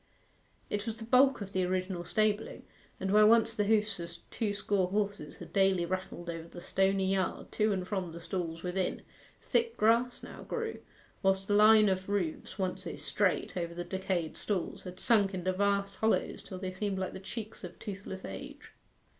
It was the bulk of the original stabling, and where once the hoofs of two score horses had daily rattled over the stony yard, to and from the stalls within, thick grass now grew, whilst the line of roofs once so straight over the decayed stalls, had sunk into vast hollows till they seemed like the cheeks of toothless age.